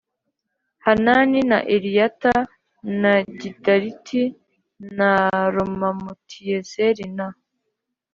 Hanani na Eliyata na Gidaliti na Romamutiyezeri na